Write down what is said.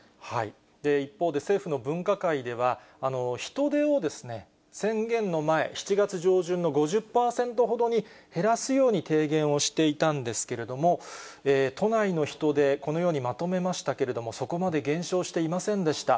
一方で、政府の分科会では、人出を宣言の前、７月上旬の５０％ほどに減らすように提言をしていたんですけれども、都内の人出、このようにまとめましたけれども、そこまで減少していませんでした。